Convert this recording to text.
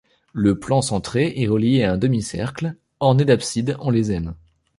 Le plan centré est relié à un demi-cercle, orné d'abside en lésène.